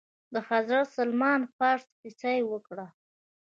د حضرت سلمان فارس كيسه يې وكړه.